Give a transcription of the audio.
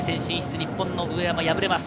日本の上山、敗れます。